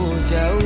nang aku jatuh